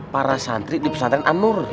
para santri di pesantren anur